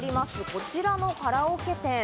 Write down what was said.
こちらのカラオケ店。